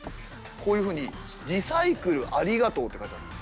こういうふうに「リサイクルありがとう」って書いてある。